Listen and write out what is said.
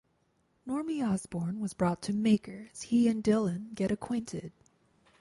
Normie Osborn was brought to Maker as he and Dylan get acquainted.